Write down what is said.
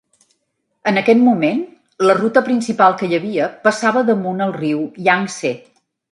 En aquest moment, la ruta principal que hi havia passava damunt el riu Iang-Tsé.